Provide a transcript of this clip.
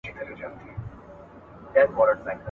کله چي څوک ډوډۍ ته وبلل سي خوښه يې څنګه ده؟